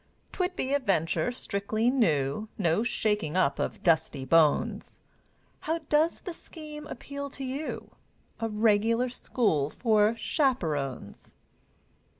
'Twould be a venture strictly new, No shaking up of dusty bones; How does the scheme appeal to you? A regular school for chaperones!